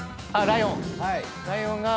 ライオンが。